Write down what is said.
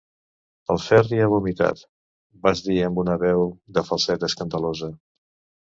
El Ferri ha vomitat –vas dir amb una veu de falset escandalosa.